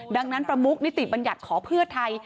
ดังนั้นประมุกนิติบัญญัติขอเพื่อไทย